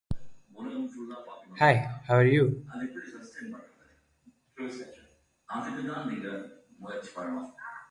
This brought about the influx of more European film exhibitors to Nigeria.